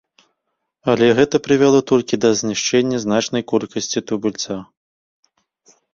Але гэта прывяло толькі да знішчэння значнай колькасці тубыльцаў.